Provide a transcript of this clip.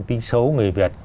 tính xấu người việt